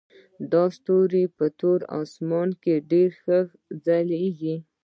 دا ستوري په تور اسمان کې ډیر روښانه ځلیږي